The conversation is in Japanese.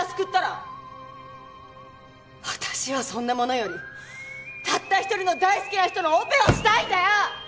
私はそんなものよりたった一人の大好きな人のオペをしたいんだよ！